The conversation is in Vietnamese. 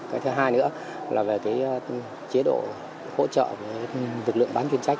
cái thứ hai nữa là về cái chế độ hỗ trợ với lực lượng bán chuyên trách